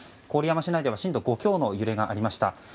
郡山市内では震度５強の揺れがありました。